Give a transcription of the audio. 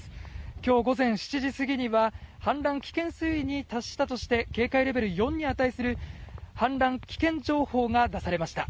今日午前７時過ぎには氾濫危険水位に達したとして警戒レベル４に値する氾濫危険情報が出されました。